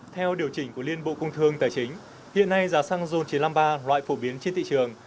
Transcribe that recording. theo điều chỉnh của liên bộ công thương tài chính hiện nay giá xăng zon chín trăm năm mươi ba loại phổ biến trên thị trường